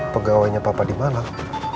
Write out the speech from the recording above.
pegawainya papa di malang